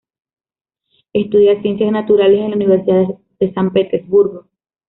Estudia Ciencias naturales en la Universidad de San Petersburgo.